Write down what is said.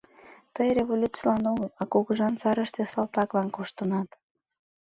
— Тый революцийлан огыл, а кугыжан сарыште салтаклан коштынат.